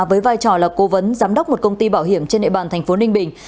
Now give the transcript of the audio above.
với vai trò là cố vấn giám đốc một công ty bảo hiểm trên địa bàn tp ninh bình